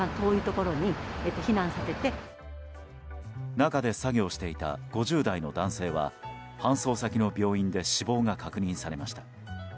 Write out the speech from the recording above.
中で作業していた５０代の男性は搬送先の病院で死亡が確認されました。